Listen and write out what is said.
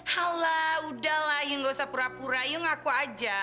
hala sudah lah anda tidak perlu pura pura anda mengaku saja